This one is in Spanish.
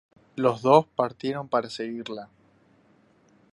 Los dos partieron para seguirla.